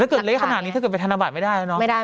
ถ้าเกิดเลี้ยงขนาดนี้ถ้าเกิดทานบัตรไม่ได้แล้วเนอะ